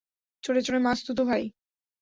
চোরে চোরে মাসতুতো ভাই।